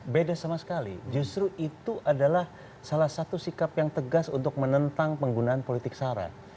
beda sama sekali justru itu adalah salah satu sikap yang tegas untuk menentang penggunaan politik sara